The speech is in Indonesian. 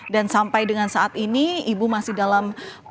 dan sampai dengan saat ini ibu masih dalam